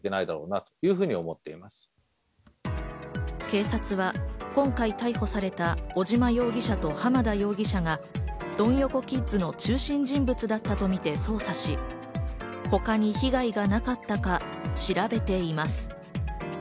警察は今回逮捕された尾島容疑者と浜田容疑者がドン横キッズの中心人物だったとみて捜査し、他に被害がなかったか調べています。